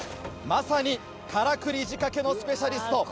まさにからくり仕掛けのスペシャリスト。